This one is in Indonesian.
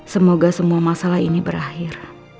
semoga semua masalah ini berakhir